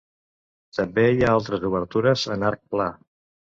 També hi ha altres obertures en arc pla.